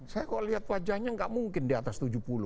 saya kok lihat wajahnya nggak mungkin di atas tujuh puluh